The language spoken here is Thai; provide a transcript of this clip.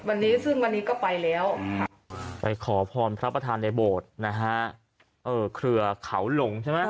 วันนี้ซึ่งวันนี้ก็ไปแล้วไปขอพรพระประธานในโบสถ์นะฮะเออเครือเขาหลงใช่ไหม